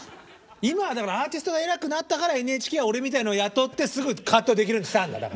今はアーティストが偉くなったからＮＨＫは俺みたいのを雇ってすぐカットできるようにしたんだだから。